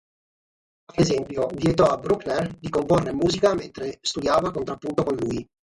Ad esempio, vietò a Bruckner di comporre musica mentre studiava contrappunto con lui.